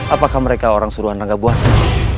apakah mereka orang suruhanan gabuasa